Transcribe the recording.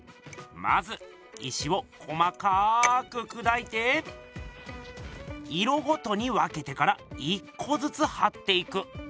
まず石を細かくくだいて色ごとに分けてから１こずつはっていく。